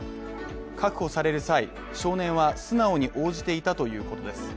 確保される際、少年は素直に応じていたということです。